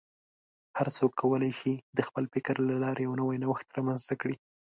هر څوک کولی شي د خپل فکر له لارې یو نوی نوښت رامنځته کړي.